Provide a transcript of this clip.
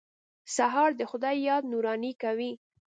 سهار د خدای یاد نوراني کوي.